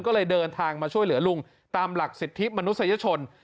ก็เลยเดินทางมาช่วยเหลือลุงตามหลักสิทธิมนุษยชน